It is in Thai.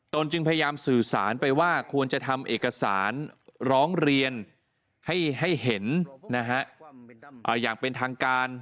จึงพยายามสื่อสารไปว่าควรจะทำเอกสารร้องเรียนให้เห็นอย่างเป็นทางการ